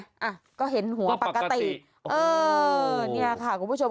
อ่ะก็เห็นหัวปกติเออเนี่ยค่ะคุณผู้ชม